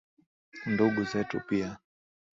Ndugu zetu pia.